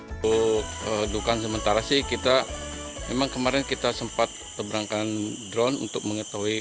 untuk dukan sementara sih kita emang kemarin kita sempat terberangkan drone untuk mengetahui